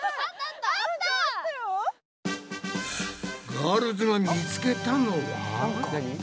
ガールズが見つけたのは。